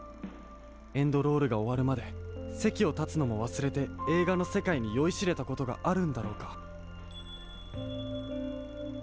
エンドロールがおわるまでせきをたつのもわすれてえいがのせかいによいしれたことがあるんだろうか？